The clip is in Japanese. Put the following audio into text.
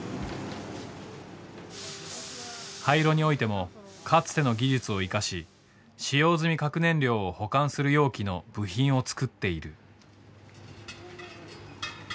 廃炉においてもかつての技術を生かし使用済み核燃料を保管する容器の部品を作っている。